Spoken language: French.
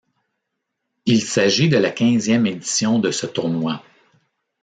Il s'agit de la quinzième édition de ce tournoi.